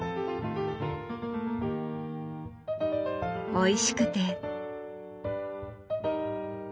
おいしくて。